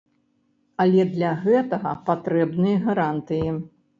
Але для гэтага патрэбныя гарантыі.